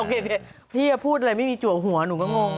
อ่ะโอเคพี่อะพูดอะไรไม่มีจั่วหัวหนูก็งง